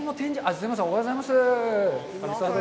すいません、おはようございます。